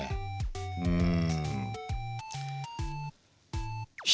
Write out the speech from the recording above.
うん。